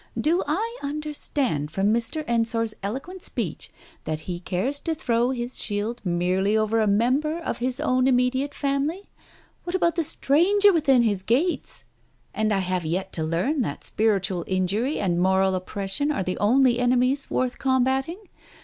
"Do I understand from Mr. Ensor's eloquent speech, that he cares to throw his shield merely over a member of his own immediate family ? What about the stranger within his gates ? And I have yet to learn that spiritual injury and moral oppression are the only enemies worth combating